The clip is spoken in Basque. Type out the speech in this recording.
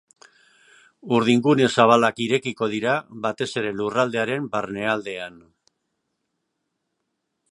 Urdingune zabalak irekiko dira, batez ere lurraldearen barnealdean.